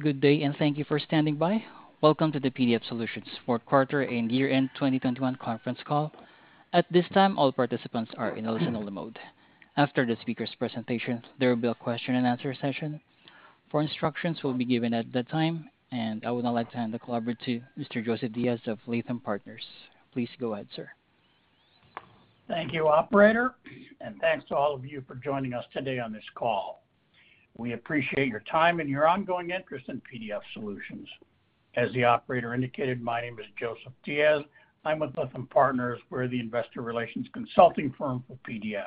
Good day, and thank you for standing by. Welcome to the PDF Solutions Q4 and year-end 2021 conference call. At this time, all participants are in listen-only mode. After the speaker's presentation, there will be a question and answer session. Instructions will be given at that time, and I would now like to hand the call over to Mr. Joseph Diaz of Lytham Partners. Please go ahead, sir. Thank you operator, and thanks to all of you for joining us today on this call. We appreciate your time and your ongoing interest in PDF Solutions. As the operator indicated, my name is Joseph Diaz. I'm with Lytham Partners. We're the investor relations consulting firm for PDF.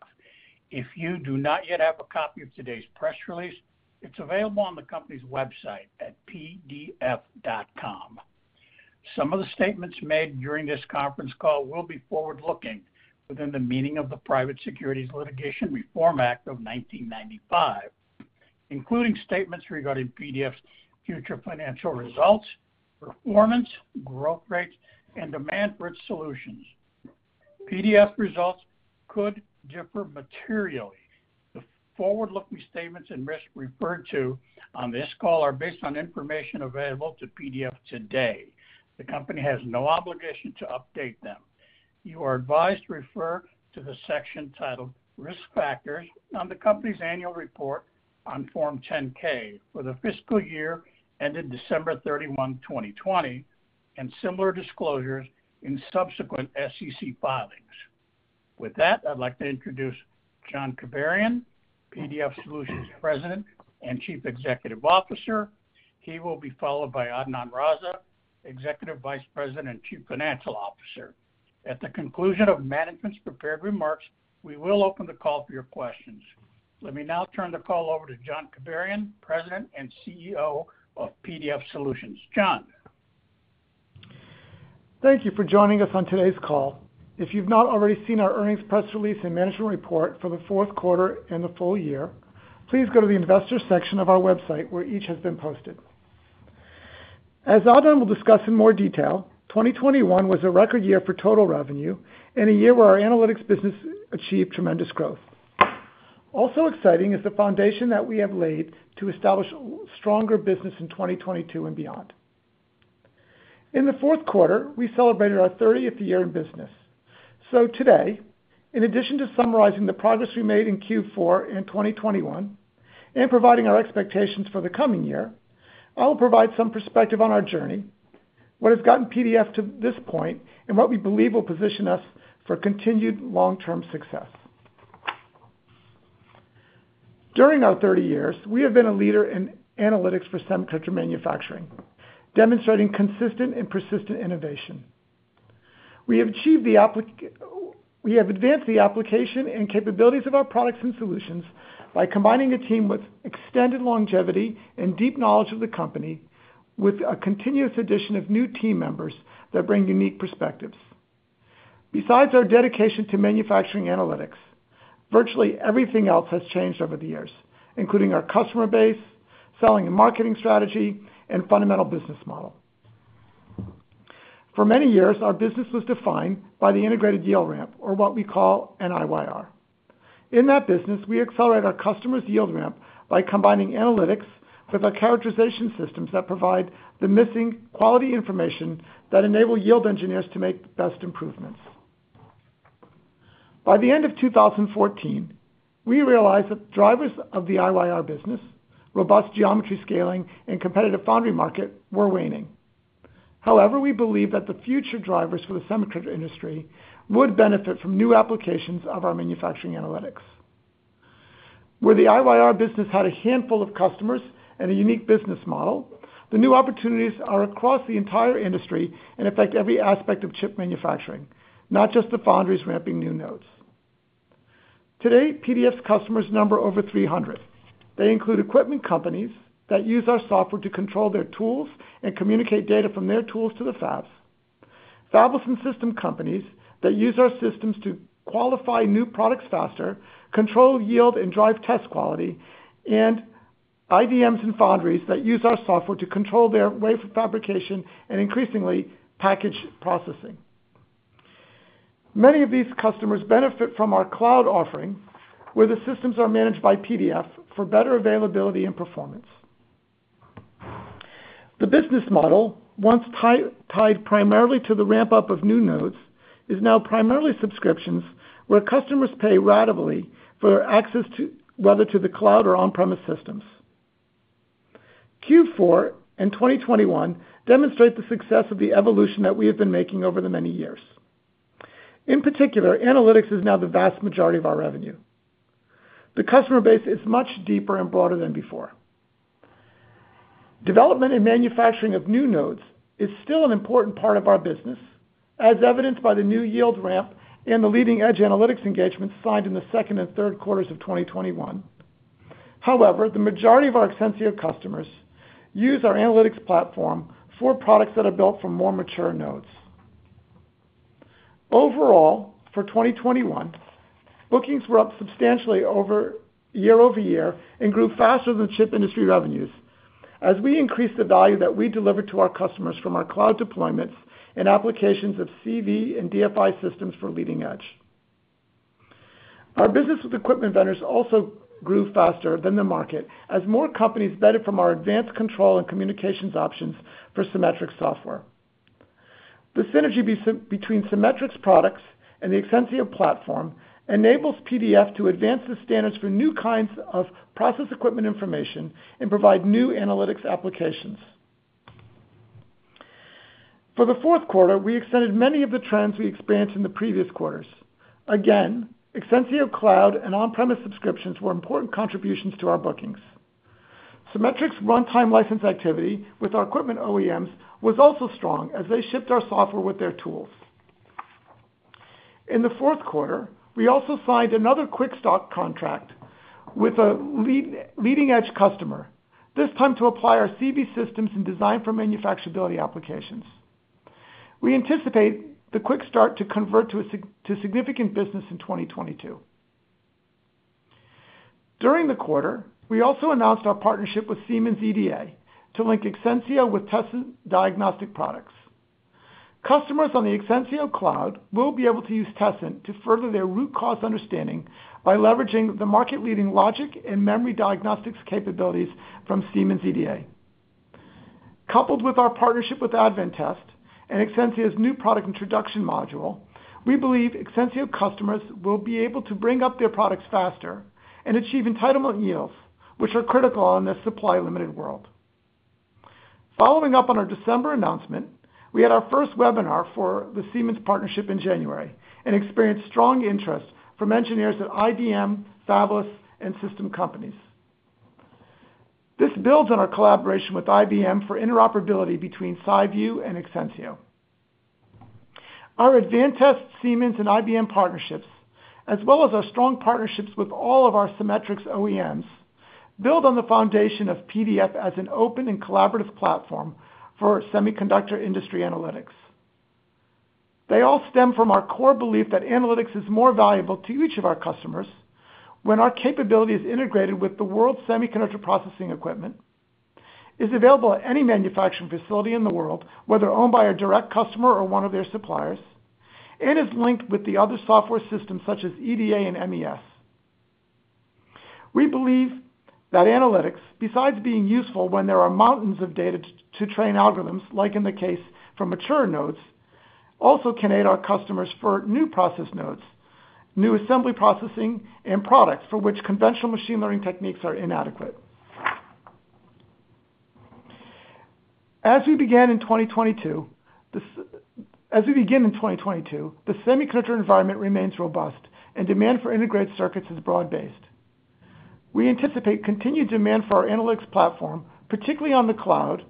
If you do not yet have a copy of today's press release, it's available on the company's website at pdf.com. Some of the statements made during this conference call will be forward-looking within the meaning of the Private Securities Litigation Reform Act of 1995, including statements regarding PDF's future financial results, performance, growth rates, and demand for its solutions. PDF results could differ materially. The forward-looking statements and risks referred to on this call are based on information available to PDF today. The company has no obligation to update them. You are advised to refer to the section titled "Risk Factors" on the company's annual report on Form 10-K for the fiscal year ended December 31, 2020, and similar disclosures in subsequent SEC filings. With that, I'd like to introduce John Kibarian, PDF Solutions President and Chief Executive Officer. He will be followed by Adnan Raza, Executive Vice President and Chief Financial Officer. At the conclusion of management's prepared remarks, we will open the call for your questions. Let me now turn the call over to John Kibarian, President and CEO of PDF Solutions. John. Thank you for joining us on today's call. If you've not already seen our earnings press release and management report for the Q4 and the full year, please go to the investors section of our website, where each has been posted. As Adnan will discuss in more detail, 2021 was a record year for total revenue and a year where our Analytics business achieved tremendous growth. Also exciting is the foundation that we have laid to establish stronger business in 2022 and beyond. In the Q4, we celebrated our 30th year in business. Today, in addition to summarizing the progress we made in Q4 in 2021 and providing our expectations for the coming year, I will provide some perspective on our journey, what has gotten PDF to this point, and what we believe will position us for continued long-term success. During our 30 years, we have been a leader in analytics for semiconductor manufacturing, demonstrating consistent and persistent innovation. We have advanced the application and capabilities of our products and solutions by combining a team with extended longevity and deep knowledge of the company with a continuous addition of new team members that bring unique perspectives. Besides our dedication to manufacturing analytics, virtually everything else has changed over the years, including our customer base, selling and marketing strategy, and fundamental business model. For many years, our business was defined by the Integrated Yield Ramp, or what we call an IYR. In that business, we accelerate our customers' yield ramp by combining analytics with our characterization systems that provide the missing quality information that enable yield engineers to make the best improvements. By the end of 2014, we realized that the drivers of the IYR business, robust geometry scaling, and competitive foundry market were waning. However, we believe that the future drivers for the semiconductor industry would benefit from new applications of our manufacturing analytics. Where the IYR business had a handful of customers and a unique business model, the new opportunities are across the entire industry and affect every aspect of chip manufacturing, not just the foundries ramping new nodes. Today, PDF's customers number over 300. They include equipment companies that use our software to control their tools and communicate data from their tools to the fabs. Fabless and system companies that use our systems to qualify new products faster, control yield, and drive test quality, and IDMs and foundries that use our software to control their wafer fabrication and increasingly package processing. Many of these customers benefit from our cloud offering, where the systems are managed by PDF for better availability and performance. The business model, once tied primarily to the ramp-up of new nodes, is now primarily subscriptions, where customers pay ratably for access to whether to the cloud or on-premise systems. Q4 2021 demonstrates the success of the evolution that we have been making over the many years. In particular, Analytics is now the vast majority of our revenue. The customer base is much deeper and broader than before. Development and manufacturing of new nodes is still an important part of our business, as evidenced by the new yield ramp and the leading-edge analytics engagements signed in Q2 and Q3 of 2021. However, the majority of our extensive customers use our analytics platform for products that are built for more mature nodes. Overall, for 2021, bookings were up substantially year-over-year and grew faster than chip industry revenues as we increased the value that we deliver to our customers from our cloud deployments and applications of CV and DFI systems for leading edge. Our business with equipment vendors also grew faster than the market as more companies benefited from our advanced control and communications options for Cimetrix software. The synergy between Cimetrix products and the Exensio platform enables PDF to advance the standards for new kinds of process equipment information and provide new analytics applications. For the Q4, we extended many of the trends we experienced in the previous quarters. Again, Exensio Cloud and on-premise subscriptions were important contributions to our bookings. Cimetrix runtime license activity with our equipment OEMs was also strong as they shipped our software with their tools. In Q4, we also signed another Quick Start contract with a leading-edge customer, this time to apply our DFM systems and design for manufacturability applications. We anticipate the Quick Start to convert to a significant business in 2022. During the quarter, we also announced our partnership with Siemens EDA to link Exensio with test diagnostic products. Customers on the Exensio Cloud will be able to use Tessent to further their root-cause understanding by leveraging the market-leading logic and memory diagnostics capabilities from Siemens EDA. Coupled with our partnership with ADVANTEST and Exensio's new product introduction module, we believe Exensio customers will be able to bring up their products faster and achieve entitlement yields, which are critical on this supply-limited world. Following up on our December announcement, we had our first webinar for the Siemens partnership in January and experienced strong interest from engineers at IBM, fabless, and system companies. This builds on our collaboration with IBM for interoperability between SiView and Exensio. Our ADVANTEST, Siemens, and IBM partnerships, as well as our strong partnerships with all of our Cimetrix OEMs, build on the foundation of PDF as an open and collaborative platform for semiconductor industry analytics. They all stem from our core belief that analytics is more valuable to each of our customers when our capability is integrated with the world's semiconductor processing equipment, is available at any manufacturing facility in the world, whether owned by a direct customer or one of their suppliers, and is linked with the other software systems such as EDA and MES. We believe that analytics, besides being useful when there are mountains of data to train algorithms, like in the case for mature nodes, also can aid our customers for new process nodes, new assembly processing, and products for which conventional machine learning techniques are inadequate. As we begin in 2022, the semiconductor environment remains robust and demand for integrated circuits is broad-based. We anticipate continued demand for our analytics platform, particularly on the cloud,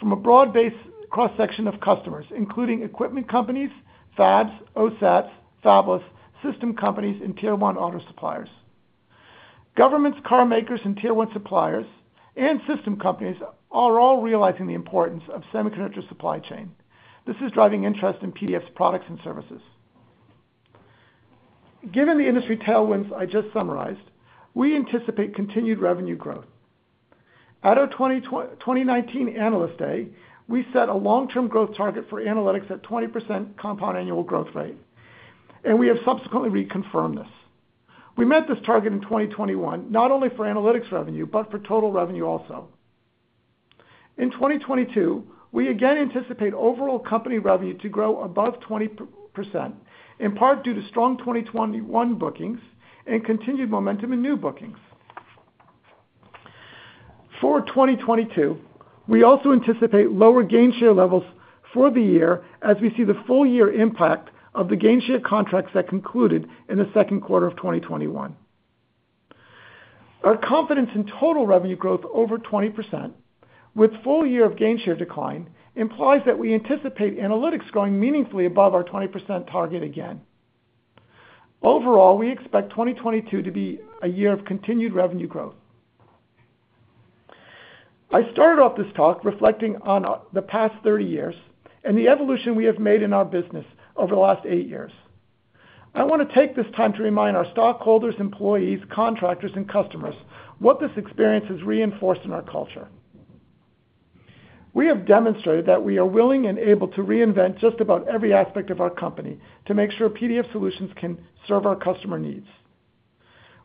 from a broad-based cross-section of customers, including equipment companies, fabs, OSATs, fabless, system companies, and Tier 1 auto suppliers. Governments, car makers, and Tier 1 suppliers, and system companies are all realizing the importance of semiconductor supply chain. This is driving interest in PDF's products and services. Given the industry tailwinds I just summarized, we anticipate continued revenue growth. At our 2019 Analyst Day, we set a long-term growth target for Analytics at 20% compound annual growth rate, and we have subsequently reconfirmed this. We met this target in 2021, not only for Analytics revenue, but for total revenue also. In 2022, we again anticipate overall company revenue to grow above 20%, in part due to strong 2021 bookings and continued momentum in new bookings. For 2022, we also anticipate lower gainshare levels for the year as we see the full year impact of the gainshare contracts that concluded in the Q2 of 2021. Our confidence in total revenue growth over 20% with full year of gainshare decline implies that we anticipate Analytics growing meaningfully above our 20% target again. Overall, we expect 2022 to be a year of continued revenue growth. I started off this talk reflecting on the past thirty years and the evolution we have made in our business over the last eight years. I want to take this time to remind our stockholders, employees, contractors, and customers what this experience has reinforced in our culture. We have demonstrated that we are willing and able to reinvent just about every aspect of our company to make sure PDF Solutions can serve our customer needs.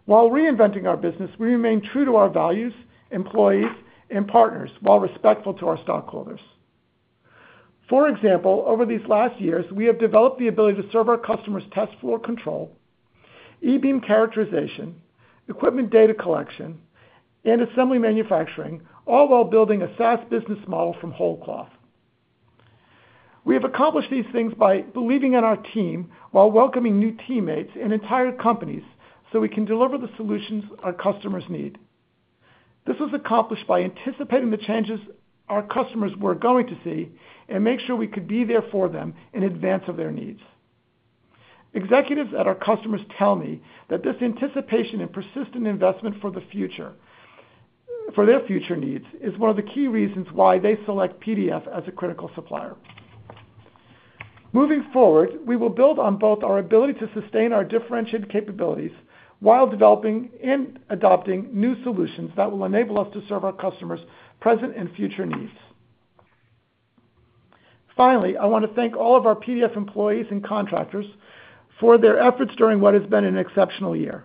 While reinventing our business, we remain true to our values, employees, and partners, while respectful to our stockholders. For example, over these last years, we have developed the ability to serve our customers test floor control, E-beam characterization, equipment data collection, and assembly manufacturing, all while building a SaaS business model from whole cloth. We have accomplished these things by believing in our team while welcoming new teammates and entire companies so we can deliver the solutions our customers need. This was accomplished by anticipating the changes our customers were going to see and make sure we could be there for them in advance of their needs. Executives at our customers tell me that this anticipation and persistent investment for the future, for their future needs, is one of the key reasons why they select PDF as a critical supplier. Moving forward, we will build on both our ability to sustain our differentiated capabilities while developing and adopting new solutions that will enable us to serve our customers' present and future needs. Finally, I wanna thank all of our PDF employees and contractors for their efforts during what has been an exceptional year.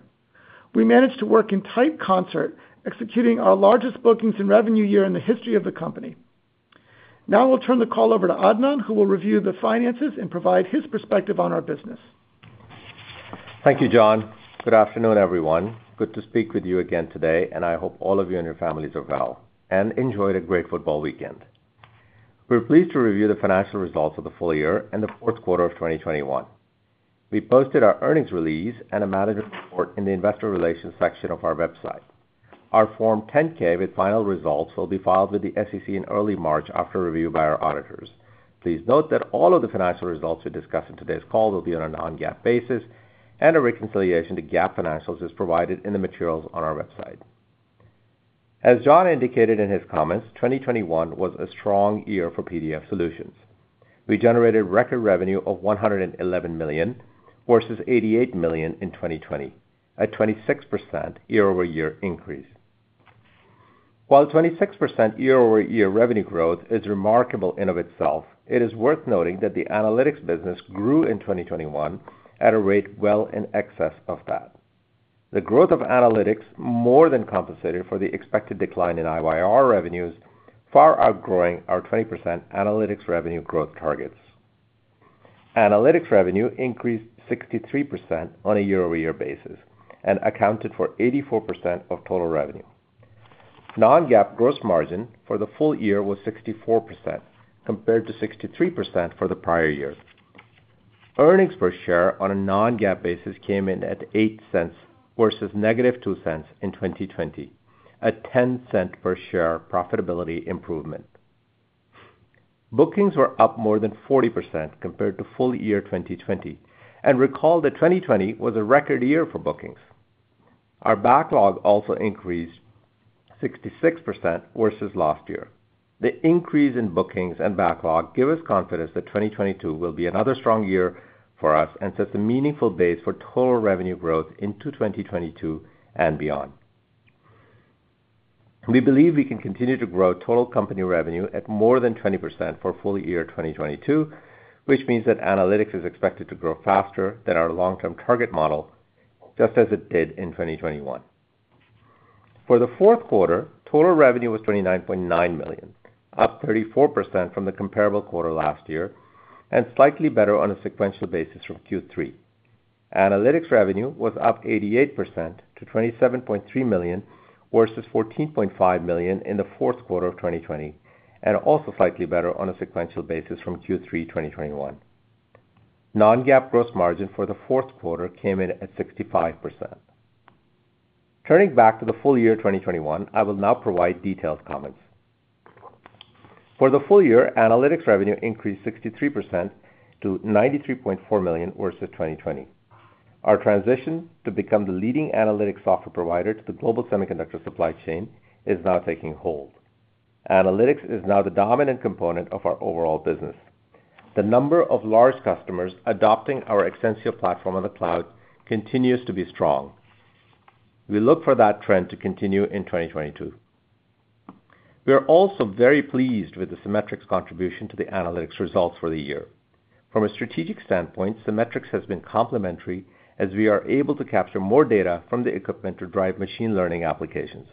We managed to work in tight concert, executing our largest bookings and revenue year in the history of the company. Now I will turn the call over to Adnan, who will review the finances and provide his perspective on our business. Thank you, John. Good afternoon, everyone. Good to speak with you again today, and I hope all of you and your families are well and enjoyed a great football weekend. We're pleased to review the financial results of the full year and the Q4 of 2021. We posted our earnings release and a management report in the investor relations section of our website. Our Form 10-K with final results will be filed with the SEC in early March after review by our auditors. Please note that all of the financial results we discuss in today's call will be on a non-GAAP basis, and a reconciliation to GAAP financials is provided in the materials on our website. As John indicated in his comments, 2021 was a strong year for PDF Solutions. We generated record revenue of $111 million versus $88 million in 2020, a 26% year-over-year increase. While 26% year-over-year revenue growth is remarkable in and of itself, it is worth noting that the Analytics business grew in 2021 at a rate well in excess of that. The growth of Analytics more than compensated for the expected decline in IYR revenues, far outgrowing our 20% Analytics revenue growth targets. Analytics revenue increased 63% on a year-over-year basis and accounted for 84% of total revenue. Non-GAAP gross margin for the full year was 64%, compared to 63% for the prior year. Earnings per share on a non-GAAP basis came in at $0.08 versus -$0.02 in 2020, a $0.10 per share profitability improvement. Bookings were up more than 40% compared to full year 2020, and recall that 2020 was a record year for bookings. Our backlog also increased 66% versus last year. The increase in bookings and backlog give us confidence that 2022 will be another strong year for us and sets a meaningful base for total revenue growth into 2022 and beyond. We believe we can continue to grow total company revenue at more than 20% for full year 2022, which means that Analytics is expected to grow faster than our long-term target model, just as it did in 2021. For Q4, total revenue was $29.9 million, up 34% from the comparable quarter last year, and slightly better on a sequential basis from Q3. Analytics revenue was up 88% to $27.3 million, versus $14.5 million in Q4 of 2020, and also slightly better on a sequential basis from Q3 2021. Non-GAAP gross margin for the Q4 came in at 65%. Turning back to the full year 2021, I will now provide detailed comments. For the full year, Analytics revenue increased 63% to $93.4 million versus 2020. Our transition to become the leading analytics software provider to the global semiconductor supply chain is now taking hold. Analytics is now the dominant component of our overall business. The number of large customers adopting our Exensio platform on the cloud continues to be strong. We look for that trend to continue in 2022. We are also very pleased with the Cimetrix contribution to the Analytics results for the year. From a strategic standpoint, Cimetrix has been complementary as we are able to capture more data from the equipment to drive machine learning applications.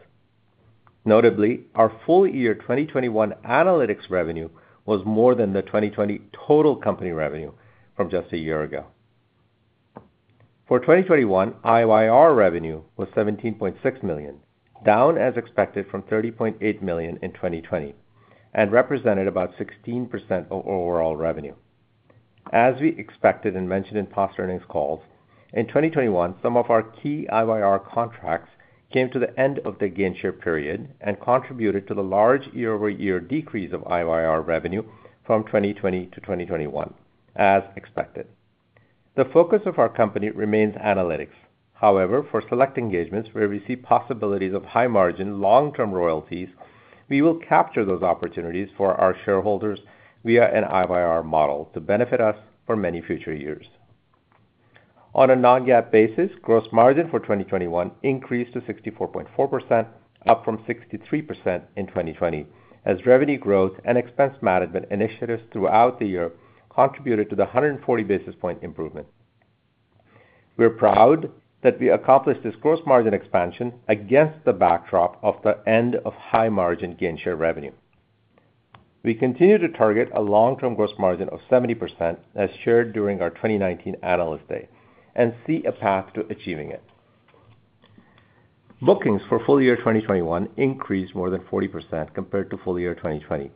Notably, our full year 2021 Analytics revenue was more than the 2020 total company revenue from just a year ago. For 2021, IYR revenue was $17.6 million, down as expected from $30.8 million in 2020, and represented about 16% of overall revenue. As we expected and mentioned in past earnings calls, in 2021, some of our key IYR contracts came to the end of the gainshare period and contributed to the large year-over-year decrease of IYR revenue from 2020 to 2021, as expected. The focus of our company remains Analytics. However, for select engagements where we see possibilities of high margin long-term royalties, we will capture those opportunities for our shareholders via an IYR model to benefit us for many future years. On a non-GAAP basis, gross margin for 2021 increased to 64.4%, up from 63% in 2020, as revenue growth and expense management initiatives throughout the year contributed to the 140 basis point improvement. We're proud that we accomplished this gross margin expansion against the backdrop of the end of high margin gainshare revenue. We continue to target a long-term gross margin of 70% as shared during our 2019 Analyst Day and see a path to achieving it. Bookings for full year 2021 increased more than 40% compared to full year 2020.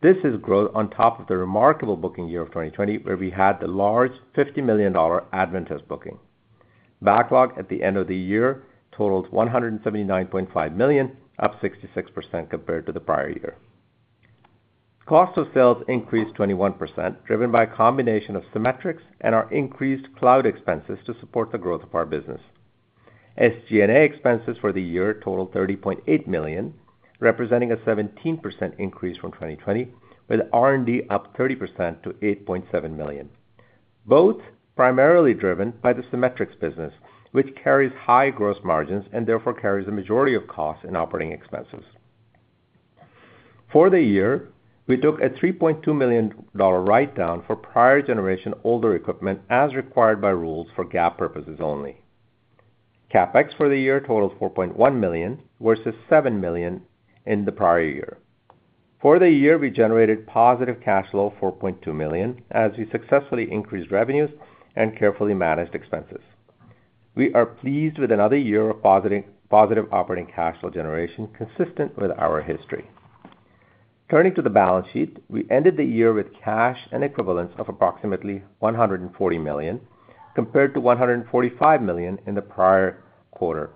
This is growth on top of the remarkable booking year of 2020, where we had the large $50 million ADVANTEST booking. Backlog at the end of the year totaled $179.5 million, up 66% compared to the prior year. Cost of sales increased 21%, driven by a combination of Cimetrix and our increased cloud expenses to support the growth of our business. SG&A expenses for the year totaled $30.8 million, representing a 17% increase from 2020, with R&D up 30% to $8.7 million. Both primarily driven by the Cimetrix business, which carries high gross margins and therefore carries the majority of costs in operating expenses. For the year, we took a $3.2 million write-down for prior generation older equipment as required by rules for GAAP purposes only. CapEx for the year totaled $4.1 million, versus $7 million in the prior year. For the year, we generated positive cash flow, $4.2 million, as we successfully increased revenues and carefully managed expenses. We are pleased with another year of positive operating cash flow generation consistent with our history. Turning to the balance sheet, we ended the year with cash and equivalents of approximately $140 million, compared to $145 million in the prior quarter,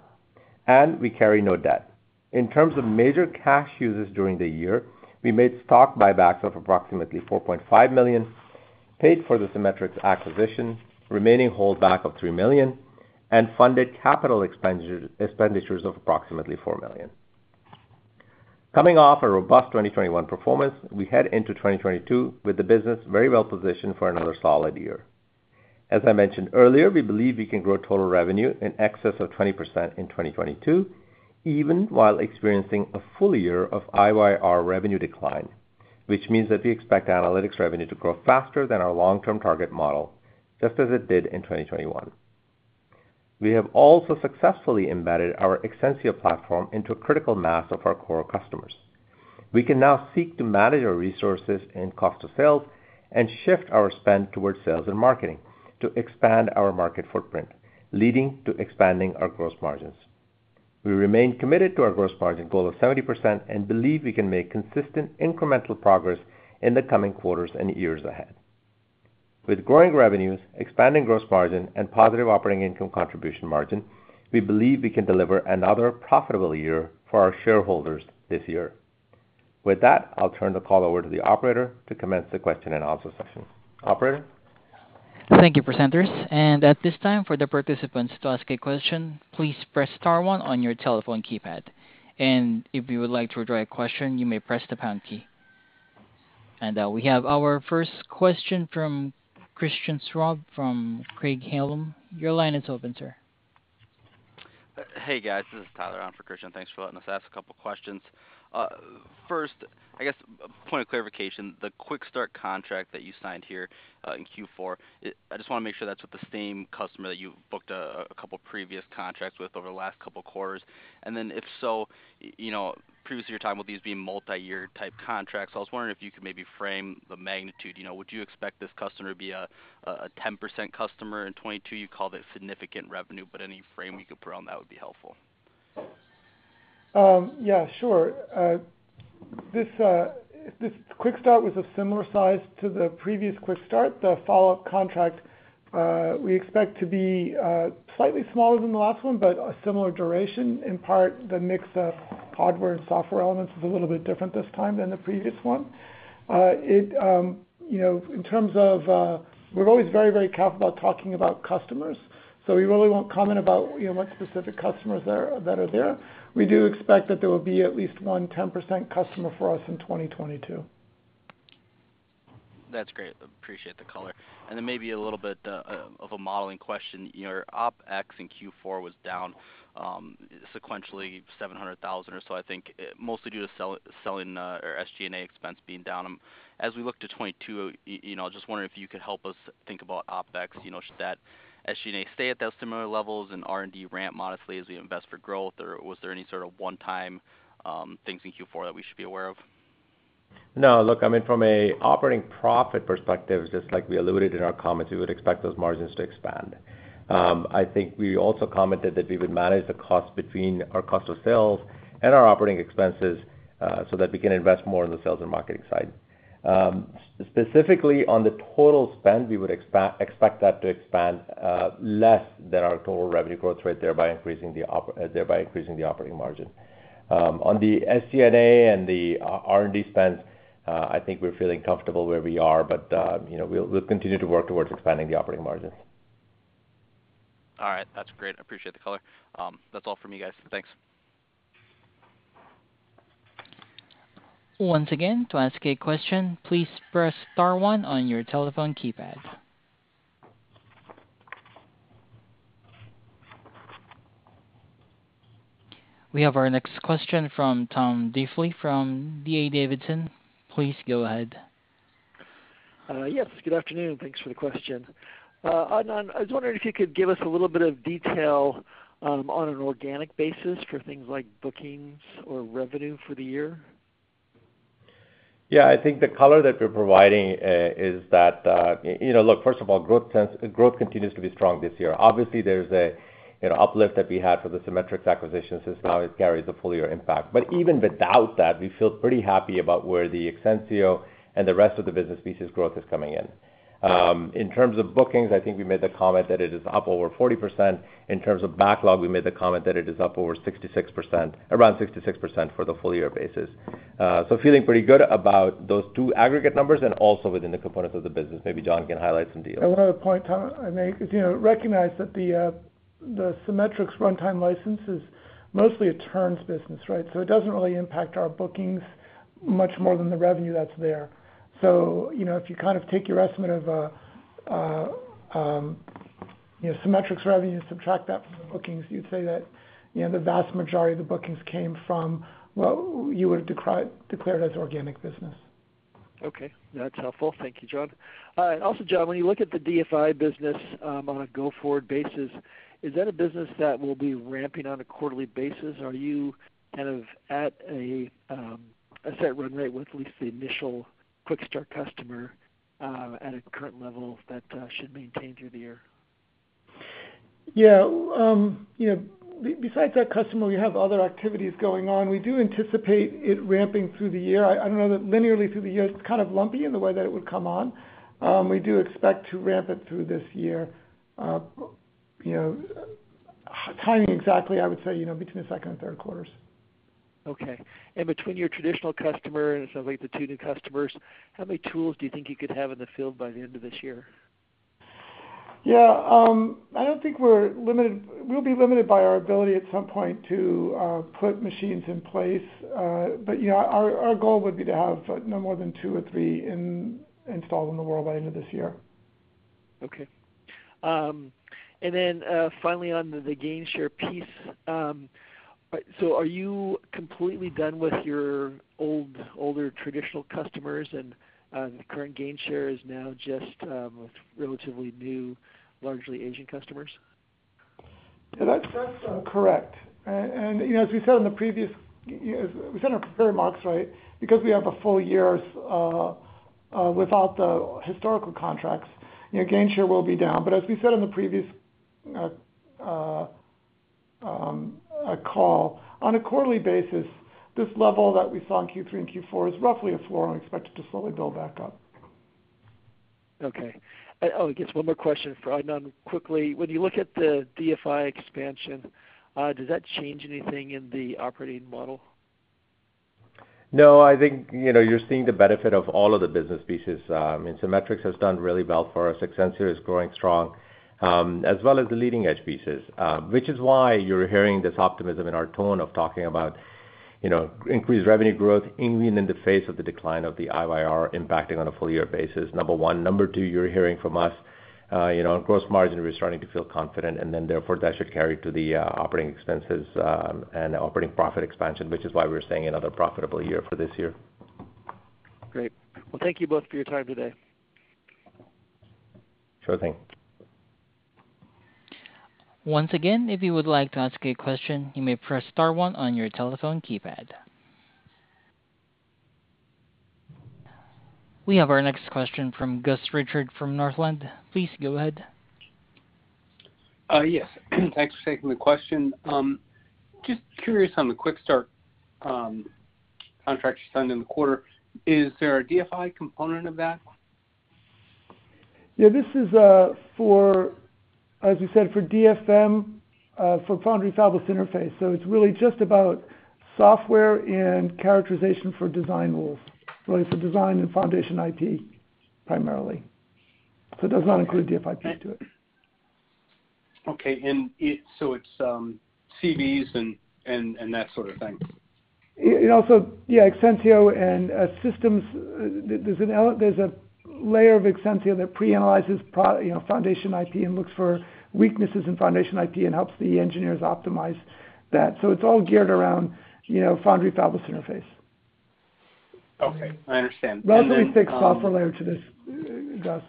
and we carry no debt. In terms of major cash uses during the year, we made stock buybacks of approximately $4.5 million, paid for the Cimetrix acquisition, remaining holdback of $3 million, and funded capital expenditures of approximately $4 million. Coming off a robust 2021 performance, we head into 2022 with the business very well positioned for another solid year. As I mentioned earlier, we believe we can grow total revenue in excess of 20% in 2022, even while experiencing a full year of IYR revenue decline. Which means that we expect Analytics revenue to grow faster than our long-term target model, just as it did in 2021. We have also successfully embedded our Exensio platform into a critical mass of our core customers. We can now seek to manage our resources and cost of sales and shift our spend towards sales and marketing to expand our market footprint, leading to expanding our gross margins. We remain committed to our gross margin goal of 70% and believe we can make consistent incremental progress in the coming quarters and years ahead. With growing revenues, expanding gross margin and positive operating income contribution margin, we believe we can deliver another profitable year for our shareholders this year. With that, I'll turn the call over to the operator to commence the question-and-answer session. Operator? Thank you, presenters. At this time, for the participants to ask a question, please press star one on your telephone keypad. If you would like to withdraw your question, you may press the pound key. We have our first question from Christian Schwab from Craig-Hallum. Your line is open, sir. Hey, guys. This is Tyler on for Christian. Thanks for letting us ask a couple questions. First, I guess a point of clarification, the Quick Start contract that you signed here in Q4. I just wanna make sure that's with the same customer that you've booked a couple previous contracts with over the last couple quarters. If so, you know, previously you were talking about these being multi-year type contracts. I was wondering if you could maybe frame the magnitude. You know, would you expect this customer to be a 10% customer in 2022? You called it significant revenue, but any frame you could put on that would be helpful. Yeah, sure. This Quick Start was a similar size to the previous Quick Start. The follow-up contract we expect to be slightly smaller than the last one, but a similar duration. In part, the mix of hardware and software elements is a little bit different this time than the previous one. You know, we're always very, very careful about talking about customers, so we really won't comment about what specific customers there are. We do expect that there will be at least one 10% customer for us in 2022. That's great. Appreciate the color. Maybe a little bit of a modeling question. Your OpEx in Q4 was down sequentially $700,000 or so I think, mostly due to selling or SG&A expense being down. As we look to 2022, you know, just wondering if you could help us think about OpEx. You know, should that SG&A stay at those similar levels and R&D ramp modestly as we invest for growth? Or was there any sort of one-time things in Q4 that we should be aware of? No. Look, I mean, from an operating profit perspective, just like we alluded in our comments, we would expect those margins to expand. I think we also commented that we would manage the cost between our cost of sales and our operating expenses, so that we can invest more in the sales and marketing side. Specifically on the total spend, we would expect that to expand less than our total revenue growth rate, thereby increasing the operating margin. On the SG&A and the R&D spends, I think we're feeling comfortable where we are, but you know, we'll continue to work towards expanding the operating margin. All right, that's great. Appreciate the color. That's all from me, guys. Thanks. Once again, to ask a question, please press star one on your telephone keypad. We have our next question from Tom Diffely from D.A. Davidson. Please go ahead. Yes, good afternoon, and thanks for the question. Adnan, I was wondering if you could give us a little bit of detail on an organic basis for things like bookings or revenue for the year. Yeah. I think the color that we're providing is that, you know, look, first of all, growth continues to be strong this year. Obviously, there's a, you know, uplift that we had for the Cimetrix acquisition since now it carries a full year impact. Even without that, we feel pretty happy about where the Exensio and the rest of the business pieces growth is coming in. In terms of bookings, I think we made the comment that it is up over 40%. In terms of backlog, we made the comment that it is up over 66%, around 66% for the full year basis. Feeling pretty good about those two aggregate numbers and also within the components of the business. Maybe John can highlight some deals. One other point, Tom, I make is, you know, recognize that the Cimetrix runtime license is mostly a turns business, right? So it doesn't really impact our bookings much more than the revenue that's there. So, you know, if you kind of take your estimate of, you know, Cimetrix revenue, subtract that from the bookings, you'd say that, you know, the vast majority of the bookings came from what you would declare as organic business. Okay. That's helpful. Thank you, John. All right. Also, John, when you look at the DFI business, on a go-forward basis, is that a business that will be ramping on a quarterly basis? Are you kind of at a set run rate with at least the initial Quick Start customer, at a current level that should maintain through the year? Yeah. You know, besides that customer, we have other activities going on. We do anticipate it ramping through the year. I don't know that linearly through the year, it's kind of lumpy in the way that it would come on. We do expect to ramp it through this year, you know, timing exactly, I would say, you know, between Q2 and Q3. Okay. Between your traditional customer and it sounds like the two new customers, how many tools do you think you could have in the field by the end of this year? Yeah. I don't think we're limited. We'll be limited by our ability at some point to put machines in place. You know, our goal would be to have no more than two or three installed in the world by the end of this year. Okay. Finally on the gainshare piece. Are you completely done with your older traditional customers and the current gainshare is now just relatively new, largely Asian customers? That's correct. You know, as we said in our prepared remarks, right, because we have a full year without the historical contracts, you know, gainshare will be down. As we said on the previous call, on a quarterly basis, this level that we saw in Q3 and Q4 is roughly a floor, and we expect it to slowly build back up. Okay. Oh, I guess one more question for Adnan quickly. When you look at the DFI expansion, does that change anything in the operating model? No, I think, you know, you're seeing the benefit of all of the business pieces. Cimetrix has done really well for us. Exensio is growing strong, as well as the leading edge pieces, which is why you're hearing this optimism in our tone of talking about, you know, increased revenue growth even in the face of the decline of the IYR impacting on a full year basis, number one. Number two, you're hearing from us, you know, on gross margin, we're starting to feel confident, and then therefore, that should carry to the operating expenses, and operating profit expansion, which is why we're saying another profitable year for this year. Great. Well, thank you both for your time today. Sure thing. Once again, if you would like to ask a question, you may press star one on your telephone keypad. We have our next question from Gus Richard from Northland. Please go ahead. Yes. Thanks for taking the question. Just curious on the Quick Start contract you signed in the quarter. Is there a DFI component of that? Yeah, this is, as you said, for DFM for foundry fabless interface. It's really just about software and characterization for design rules, really for design and foundational IP primarily. It does not include DFI to it. Okay. It's CVs and that sort of thing. It also, yeah, Exensio and systems. There's a layer of Exensio that pre-analyzes, you know, foundation IP and looks for weaknesses in foundation IP and helps the engineers optimize that. It's all geared around, you know, foundry-fabless interface. Okay. I understand. Relatively thick software layer to this, Gus.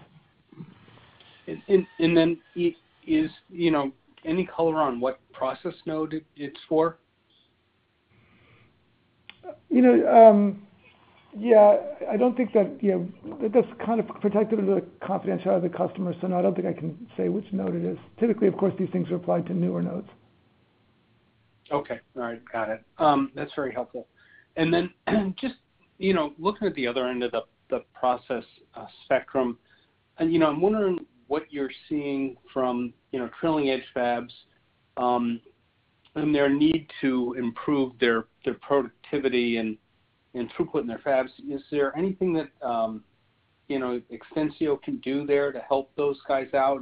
Is, you know, any color on what process node it's for? You know, yeah, I don't think that, you know, that's kind of protected under the confidentiality of the customer, so no, I don't think I can say which node it is. Typically, of course, these things are applied to newer nodes. Okay. All right. Got it. That's very helpful. Then just, you know, looking at the other end of the process spectrum, you know, I'm wondering what you're seeing from, you know, trailing edge fabs and their need to improve their productivity and throughput in their fabs. Is there anything that, you know, Exensio can do there to help those guys out?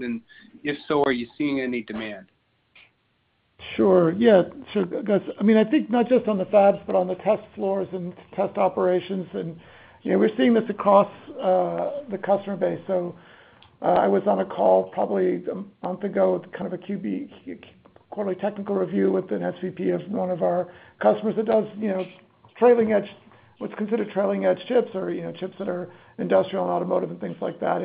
If so, are you seeing any demand? Sure. Yeah. Gus, I mean, I think not just on the fabs, but on the test floors and test operations and, you know, we're seeing this across the customer base. I was on a call probably a month ago with kind of a quarterly technical review with an SVP of one of our customers that does, you know, trailing edge, what's considered trailing edge chips or, you know, chips that are industrial and automotive and things like that.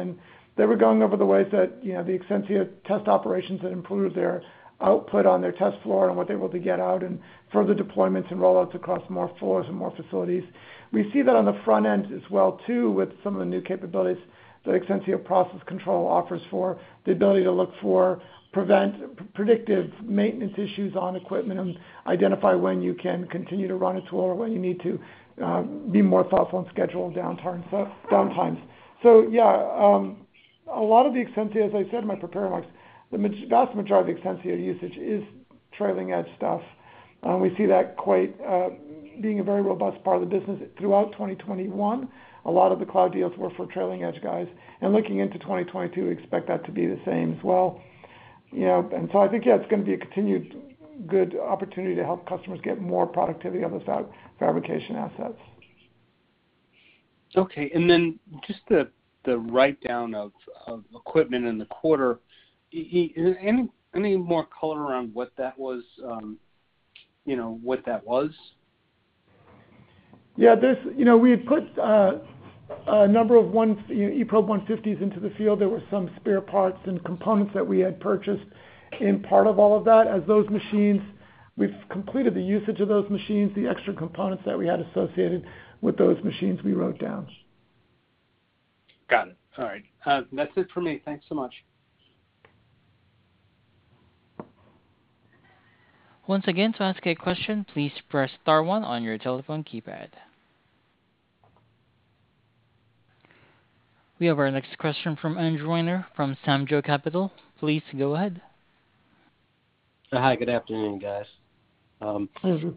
They were going over the ways that, you know, the Exensio Test Operations had improved their output on their test floor and what they're able to get out and further deployments and rollouts across more floors and more facilities. We see that on the front end as well too, with some of the new capabilities that Exensio process control offers for the ability to look for, prevent predictive maintenance issues on equipment and identify when you can continue to run a tool or when you need to be more thoughtful and schedule downtime. Yeah, a lot of the Exensio, as I said in my prepared remarks, the vast majority of Exensio usage is trailing edge stuff. We see that quite being a very robust part of the business throughout 2021. A lot of the cloud deals were for trailing edge guys. Looking into 2022, we expect that to be the same as well. You know, I think, yeah, it's gonna be a continued good opportunity to help customers get more productivity out of fabrication assets. Okay. Then just the write down of equipment in the quarter. Any more color around what that was, you know, what that was? Yeah. You know, we had put a number of eProbe 150s into the field. There were some spare parts and components that we had purchased as part of all of that. As those machines, we've completed the usage of those machines, the extra components that we had associated with those machines, we wrote down. Got it. All right. That's it for me. Thanks so much. Once again, to ask a question, please press star one on your telephone keypad. We have our next question from Andrew Wiener from Samjo Capital. Please go ahead. Hi, good afternoon, guys. Pleasure.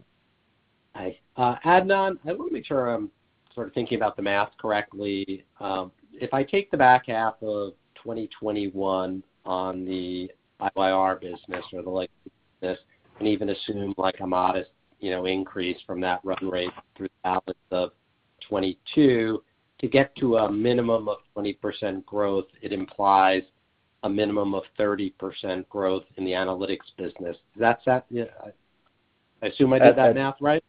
Hi, Adnan, I wanna make sure I'm sort of thinking about the math correctly. If I take the back half of 2021 on the IYR business or the like business, and even assume like a modest, you know, increase from that run rate through the half of 2022, to get to a minimum of 20% growth, it implies a minimum of 30% growth in the Analytics business. Does that sound yeah? I assume I did that math right.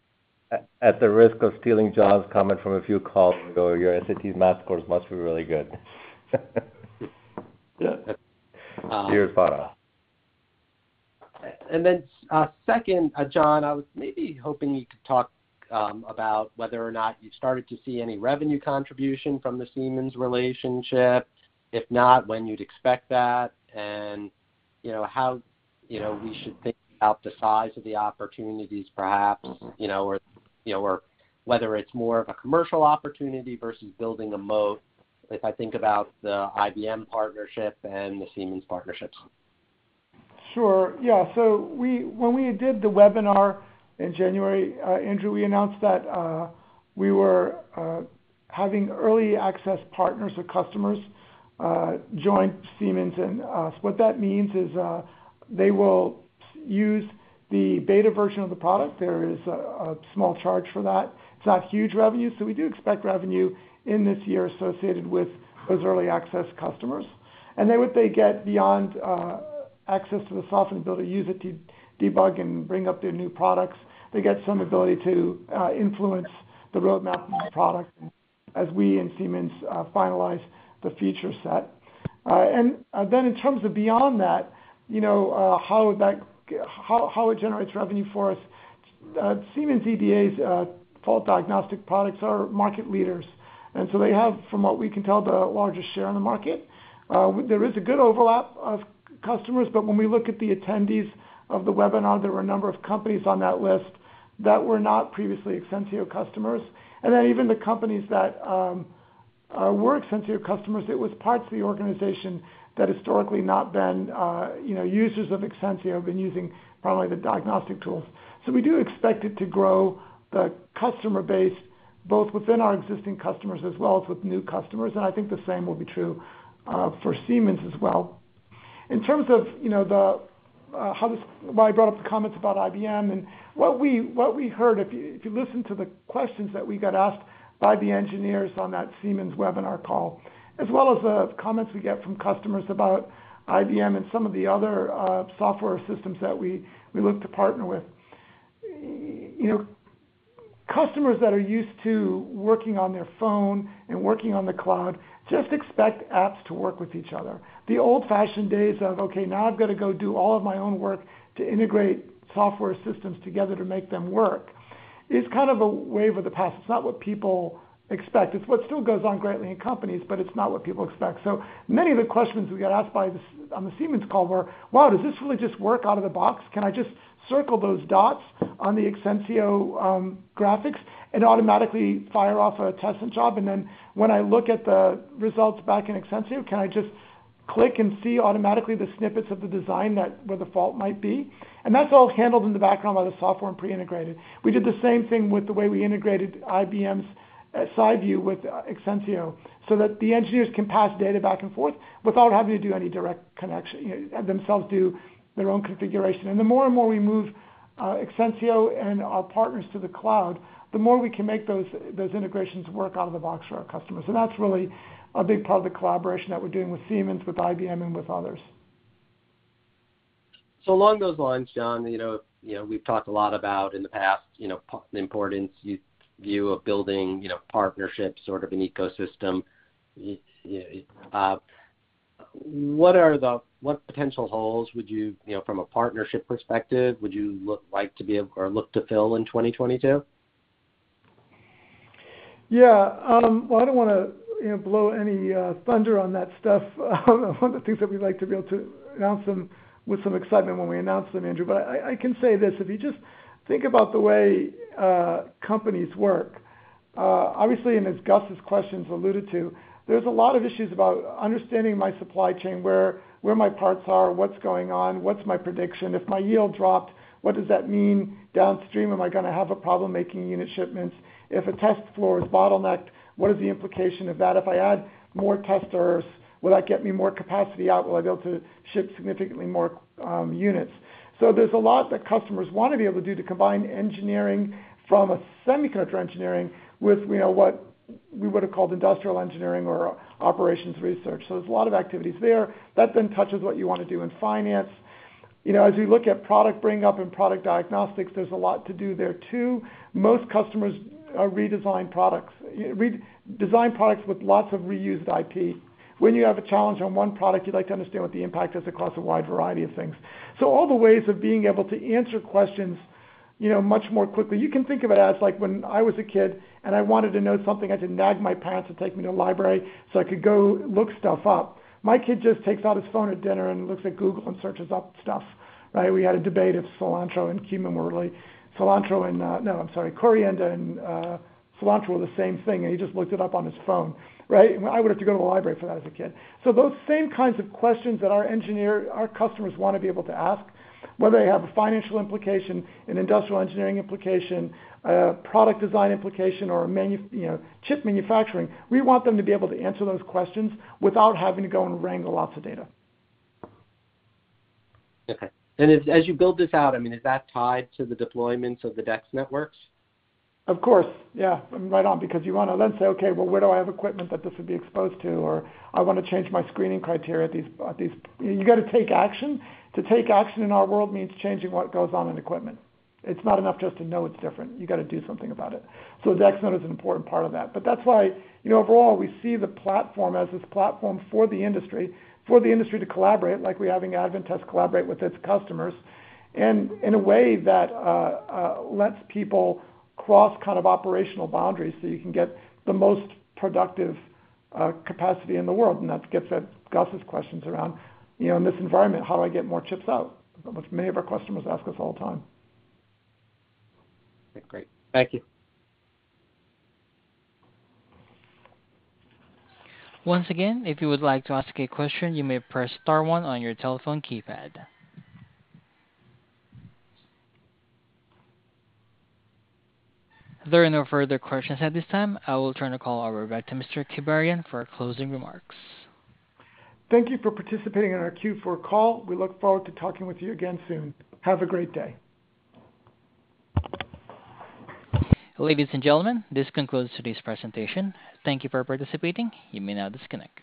At the risk of stealing John's comment from a few calls ago, your SAT math scores must be really good. Second, John, I was maybe hoping you could talk about whether or not you started to see any revenue contribution from the Siemens relationship. If not, when you'd expect that, and you know, how you know, we should think about the size of the opportunities perhaps, you know, or you know, or whether it's more of a commercial opportunity versus building a moat, if I think about the IBM partnership and the Siemens partnerships. Sure. Yeah. When we did the webinar in January, Andrew, we announced that we were having early access partners or customers join Siemens and us. What that means is they will use the beta version of the product. There is a small charge for that. It's not huge revenue, so we do expect revenue in this year associated with those early access customers. What they get beyond access to the software and ability to use it to debug and bring up their new products, they get some ability to influence the roadmap of the product as we and Siemens finalize the feature set. In terms of beyond that, you know, how it generates revenue for us, Siemens EDA's fault diagnostic products are market leaders, and so they have, from what we can tell, the largest share on the market. There is a good overlap of customers, but when we look at the attendees of the webinar, there were a number of companies on that list that were not previously Exensio customers. Even the companies that were Exensio customers, it was parts of the organization that historically not been, you know, users of Exensio have been using probably the diagnostic tools. We do expect it to grow the customer base, both within our existing customers as well as with new customers. I think the same will be true for Siemens as well. In terms of, you know, why I brought up the comments about IBM and what we heard, if you listen to the questions that we got asked by the engineers on that Siemens webinar call, as well as the comments we get from customers about IBM and some of the other software systems that we look to partner with. You know, customers that are used to working on their phone and working on the cloud just expect apps to work with each other. The old-fashioned days of, okay, now I've got to go do all of my own work to integrate software systems together to make them work is kind of a wave of the past. It's not what people expect. It's what still goes on greatly in companies, but it's not what people expect. Many of the questions we got asked by the sell-side on the Siemens call were, "Wow, does this really just work out of the box? Can I just circle those dots on the Exensio graphics and automatically fire off a testing job? And then when I look at the results back in Exensio, can I just click and see automatically the snippets of the design that where the fault might be?" That's all handled in the background by the software and pre-integrated. We did the same thing with the way we integrated IBM's SiView with Exensio, so that the engineers can pass data back and forth without having to do any direct connection, you know, and themselves do their own configuration. The more and more we move Exensio and our partners to the cloud, the more we can make those integrations work out of the box for our customers. That's really a big part of the collaboration that we're doing with Siemens, with IBM, and with others. Along those lines, John, you know, we've talked a lot about in the past, you know, the importance you view of building, you know, partnerships, sort of an ecosystem. What potential holes would you know, from a partnership perspective, would you look like to be or look to fill in 2022? Yeah. Well, I don't wanna, you know, blow any thunder on that stuff. One of the things that we'd like to be able to announce them with some excitement when we announce them, Andrew. I can say this, if you just think about the way companies work, obviously, and as Gus's questions alluded to, there's a lot of issues about understanding my supply chain, where my parts are, what's going on, what's my prediction. If my yield dropped, what does that mean downstream? Am I gonna have a problem making unit shipments? If a test floor is bottlenecked, what is the implication of that? If I add more testers, will that get me more capacity out? Will I be able to ship significantly more units? There's a lot that customers wanna be able to do to combine engineering from a semiconductor engineering with, you know, what we would've called industrial engineering or operations research. There's a lot of activities there that then touches what you wanna do in finance. You know, as you look at product bring up and product diagnostics, there's a lot to do there too. Most customers redesign products with lots of reused IP. When you have a challenge on one product, you'd like to understand what the impact is across a wide variety of things. All the ways of being able to answer questions, you know, much more quickly. You can think of it as like when I was a kid, and I wanted to know something, I had to nag my parents to take me to a library so I could go look stuff up. My kid just takes out his phone at dinner and looks at Google and searches up stuff, right? We had a debate if coriander and cilantro were the same thing, and he just looked it up on his phone, right? I would have to go to the library for that as a kid. Those same kinds of questions that our customers wanna be able to ask, whether they have a financial implication, an industrial engineering implication, a product design implication or a you know, chip manufacturing, we want them to be able to answer those questions without having to go and wrangle lots of data. Okay. As you build this out, I mean, is that tied to the deployments of the DEX networks? Of course. Yeah. Right on. Because you wanna then say, "Okay, well, where do I have equipment that this would be exposed to?" Or, "I wanna change my screening criteria at these..." You gotta take action. To take action in our world means changing what goes on in equipment. It's not enough just to know it's different. You gotta do something about it. DEXnet is an important part of that. But that's why, you know, overall, we see the platform as this platform for the industry, for the industry to collaborate, like we're having ADVANTEST collaborate with its customers, and in a way that lets people cross kind of operational boundaries so you can get the most productive capacity in the world. That gets at Gus's questions around, you know, in this environment, how do I get more chips out? Which many of our customers ask us all the time. Great. Thank you. Once again, if you would like to ask a question, you may press star one on your telephone keypad. There are no further questions at this time. I will turn the call back over to Mr. Kibarian for closing remarks. Thank you for participating in our Q4 call. We look forward to talking with you again soon. Have a great day. Ladies and gentlemen, this concludes today's presentation. Thank you for participating. You may now disconnect.